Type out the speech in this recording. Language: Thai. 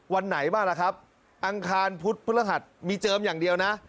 วันไหนบ้างล่ะครับอังคารพุธพฤหัสมีเจิมอย่างเดียวนะ